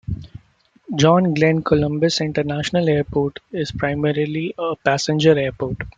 John Glenn Columbus International Airport is primarily a passenger airport.